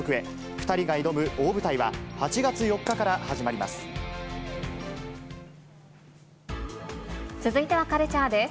２人が挑む大舞台は８月４日から始まります。